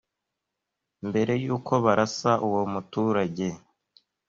Mbere y’uko barasa uwo muturage